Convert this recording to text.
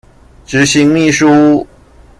執行秘書